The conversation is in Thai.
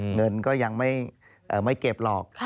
เงินก็ยังไม่เก็บหรอก